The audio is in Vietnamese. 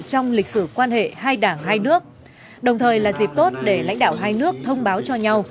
trong lịch sử quan hệ hai đảng hai nước đồng thời là dịp tốt để lãnh đạo hai nước thông báo cho nhau